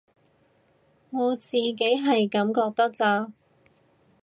我自己係噉覺得咋